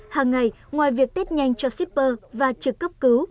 hằng ngày ngoài việc tết nhanh cho shipper và trực cấp cứu